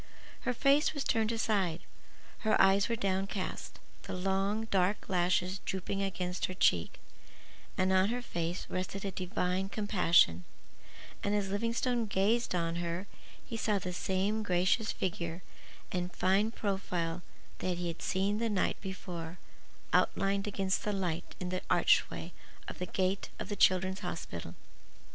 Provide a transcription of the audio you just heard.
Her face was turned aside, her eyes were downcast, the long, dark lashes drooping against her cheek, and on her face rested a divine compassion; and as Livingstone gazed on her he saw the same gracious figure and fine profile that he had seen the night before outlined against the light in the archway of the gate of the Children's Hospital.